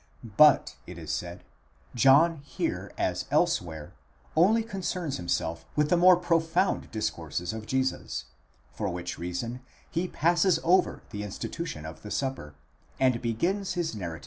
But, it is said, John here as elsewhere, only concerns himself with the more profound discourses of Jesus, for which reason he passes over the institution of the Supper, and begins his narrative with the 1 Paulus, 3, Ὁ, 5.